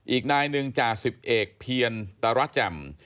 อีกนายหนึ่งจาก๑๐เอกเพียนตราจ่ำ